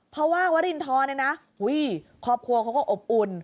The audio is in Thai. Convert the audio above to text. เพราะว่าวรินทรเนี่ยนะครอบครัวเขาก็อบอุ่น